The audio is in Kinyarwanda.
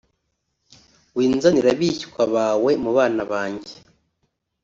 winzanira abishywa bawe mu bana banjye